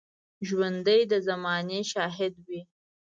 ژوندي د زمانې شاهد وي